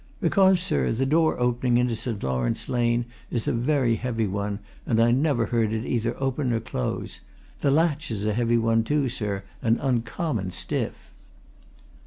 "Because, sir, the door opening into St. Laurence Lane is a very heavy one, and I never heard it either open or close. The latch is a heavy one, too, sir, and uncommon stiff."